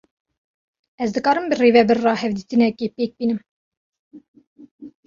Ez dikarim bi rêvebir re hevdîtinekê pêk bînim?